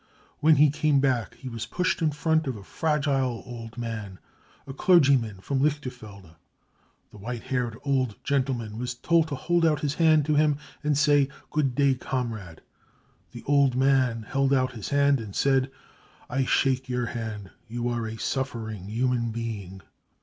When he came back, he was pushed in front of a fragile old man, a clergyman from Lichterfelde. The white haired old gentleman w&s told to hold oi!P" lift? 1 • hand to him and say : 4 Good day, comrade. 5 The old man held out his hand and said : 4 1 shake your hand, you are a suffering human being.